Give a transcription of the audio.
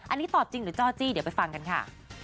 อันนี้ตอบจริงหรือจ้อจี้เดี๋ยวไปฟังกันค่ะ